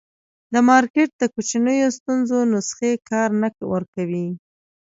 د مارکېټ د کوچنیو ستونزو نسخې کار نه ورکوي.